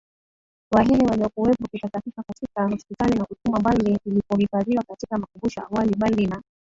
Wahehe waliokuwepo Kikasafishwa katika hospitali na kutumwa Berlin kilipohifadhiwa katika makumbusho awali Berlin na